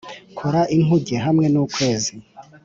kora inkuge hamwe n'ukwezi